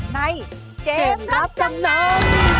ในเกมรับจำนำ